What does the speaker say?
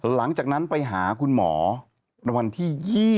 หลังจากนั้นไปหาคุณหมอในวันที่๒๐